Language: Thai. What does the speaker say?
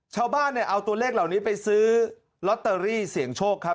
ชาวบ้านเนี่ยเอาตัวเลขเหล่านี้ไปซื้อลอตเตอรี่เสี่ยงโชคครับ